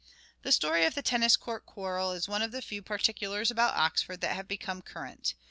The story of the tennis court quarrel is one of the few particulars about Oxford that have become current